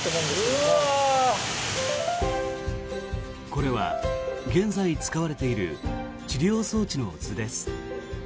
これは現在使われている治療装置の図です。